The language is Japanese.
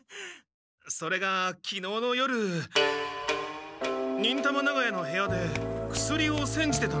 それがきのうの夜忍たま長屋の部屋で薬をせんじてたんだ。